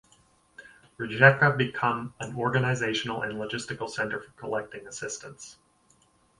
Rijeka become an organizational and logistical center for collecting assistance.